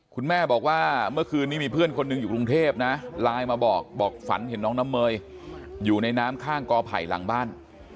คุณแม่บอกว่าเมื่อคืนนี้มีเพื่อนคนหนึ่งอยู่กรุงเทพนะไลน์มาบอกบอกฝันเห็นน้องน้ำเมยอยู่ในน้ำข้างกอไผ่หลังบ้าน